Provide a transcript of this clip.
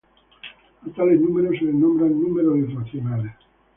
A tales números se les nombra "números irracionales".